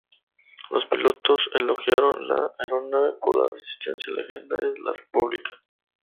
Los pilotos elogiaron la aeronave por la resistencia legendaria de la República.